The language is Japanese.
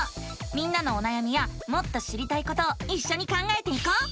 みんなのおなやみやもっと知りたいことをいっしょに考えていこう！